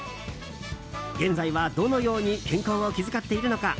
現在はどのように健康を気遣っているのか。